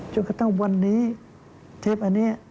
จนกระทั่งวันนี้เทปอันนี้